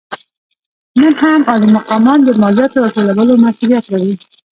نن هم عالي مقامان د مالیاتو راټولولو مسوولیت لري.